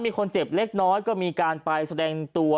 มีคนเจ็บเล็กน้อยก็มีการไปแสดงตัว